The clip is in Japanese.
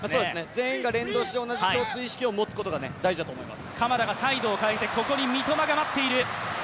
全員が連動して同じ共通意識を持つことが大事だと思います。